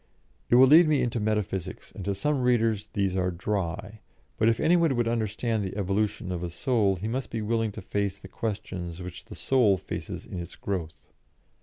It will lead me into metaphysics, and to some readers these are dry, but if any one would understand the evolution of a Soul he must be willing to face the questions which the Soul faces in its growth.